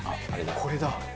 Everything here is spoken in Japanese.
これだ。